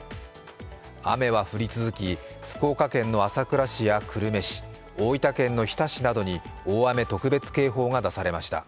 雨は降り続き、福岡県の朝倉市や久留米市、大分県の日田市などに大雨特別警報が出されました。